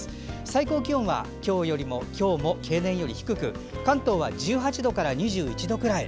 最高気温は今日も平年より低く関東は１８度から２１度くらい。